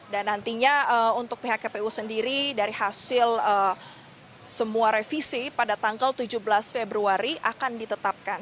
dan nantinya untuk pihak kpu sendiri dari hasil semua revisi pada tanggal tujuh belas februari akan ditetapkan